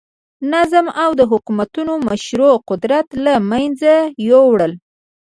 نظم او د حکومتونو مشروع قدرت له منځه یووړل.